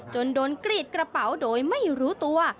จนโดนกรีดกระเป๋าโดยไม่รู้ตัว